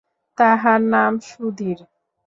তাহার নাম সুধীর।